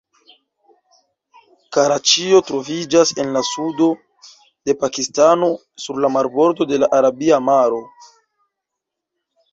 Karaĉio troviĝas en la sudo de Pakistano, sur la marbordo de la Arabia Maro.